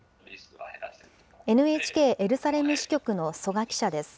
ＮＨＫエルサレム支局の曽我記者です。